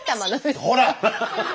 ほら！